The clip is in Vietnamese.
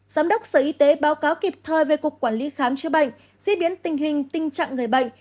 giám đốc sở y tế báo cáo kịp thời về cục quản lý khám chữa bệnh diễn biến tình hình tình trạng người bệnh